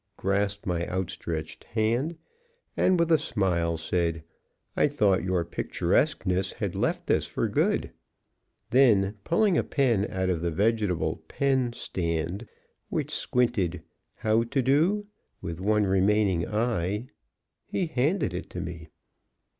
grasped my outstretched hand, and with a smile said, "I thought your picturesqueness had left us for good." Then, pulling a pen out of the vegetable pen stand which squinted "How to do?" with one remaining eye, he handed it to me.